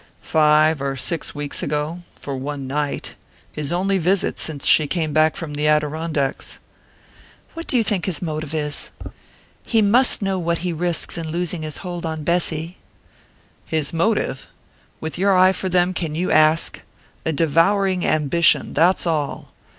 "Five or six weeks ago for one night. His only visit since she came back from the Adirondacks." "What do you think his motive is? He must know what he risks in losing his hold on Bessy." "His motive? With your eye for them, can you ask? A devouring ambition, that's all!